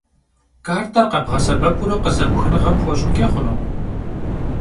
Karter khebğesebepure khıze'uxınığe pxueş'ınç'e xhunu?